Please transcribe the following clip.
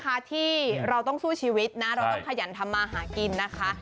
ที่เราต้องสู้ชีวิตนะเราต้องขยันทำมาหากินนะคะ